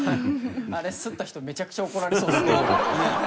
あれ刷った人めちゃくちゃ怒られそうですね。